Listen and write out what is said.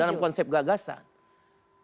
dalam konsep gagasan